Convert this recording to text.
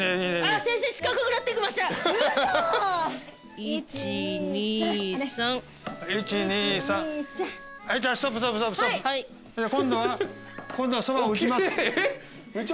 えっ？